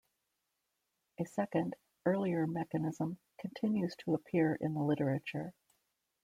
A second, earlier mechanism continues to appear in the literature.